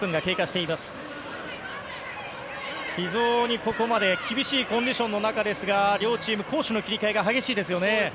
非常にここまで厳しいコンディションの中ですが両チーム、攻守の切り替えが激しいですよね。